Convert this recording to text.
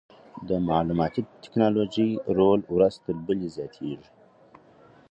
د معلوماتي ټکنالوژۍ رول ورځ تر بلې زیاتېږي.